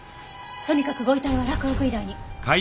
とにかくご遺体は洛北医大に。